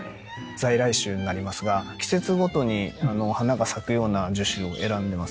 在来種になりますが季節ごとに花が咲くような樹種を選んでます。